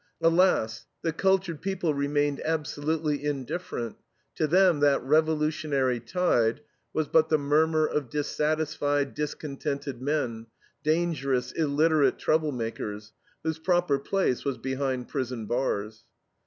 Alas! The cultured people remained absolutely indifferent; to them that revolutionary tide was but the murmur of dissatisfied, discontented men, dangerous, illiterate troublemakers, whose proper place was behind prison bars.